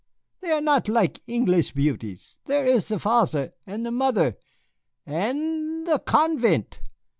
They are not like Englis' beauties, there is the father and the mother, and the convent."